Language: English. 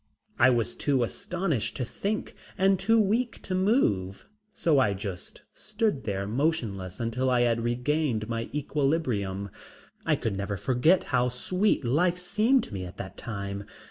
I was too astonished to think and too weak to move, so I just stood there motionless until I had regained my equilibrium. I could never forget how sweet life seemed to me at that time.